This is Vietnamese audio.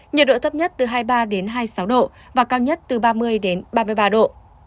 nhiệt độ thấp nhất từ hai mươi ba hai mươi sáu độ và cao nhất từ ba mươi đến ba mươi ba độ